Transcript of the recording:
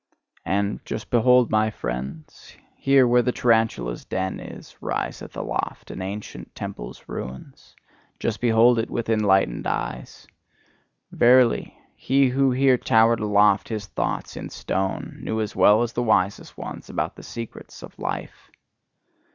And just behold, my friends! Here where the tarantula's den is, riseth aloft an ancient temple's ruins just behold it with enlightened eyes! Verily, he who here towered aloft his thoughts in stone, knew as well as the wisest ones about the secret of life!